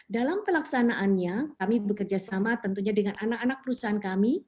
dalam pelaksanaannya kami bekerja sama tentunya dengan anak anak perusahaan kami